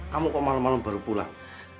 kamu kok malem malem baru pulang